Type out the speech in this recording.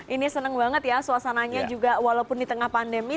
ini senang banget ya suasananya juga walaupun di tengah pandemi